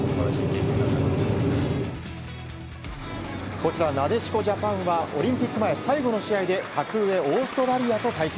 こちら、なでしこジャパンはオリンピック前最後の試合で、格上オーストラリアと対戦。